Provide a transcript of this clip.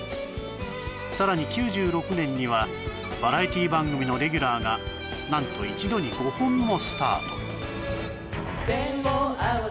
さらに９６年にはバラエティ番組のレギュラーが何と一度に５本もスタート